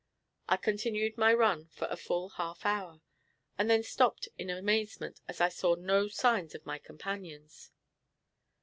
I continued my run for a full half hour, and then stopped in amazement, as I saw no signs of my companions.